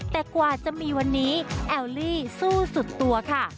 แต่กว่าจะมีวันนี้แอลลี่สู้สุดตัวค่ะ